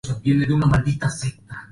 Hoy en día ocurre el mismo fenómeno.